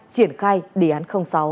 triển khai đề án sáu